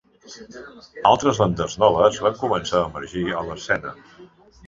Altres bandes noves van començar a emergir a l'escena.